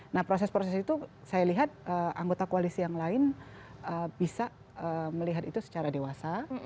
nah proses proses itu saya lihat anggota koalisi yang lain bisa melihat itu secara dewasa